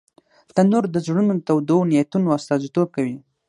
تنور د زړونو د تودو نیتونو استازیتوب کوي